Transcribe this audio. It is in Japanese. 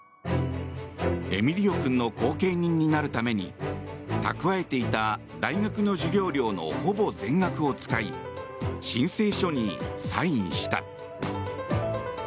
エミリオ君の後見人になるために蓄えていた大学の授業料のほぼ全額を使い申請書にサインした。